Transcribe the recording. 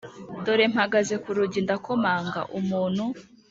Dore mpagaze ku rugi ndakomanga Umuntu